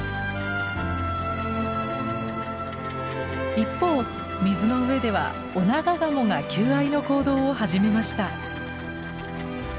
一方水の上ではオナガガモが求愛の行動を始めました。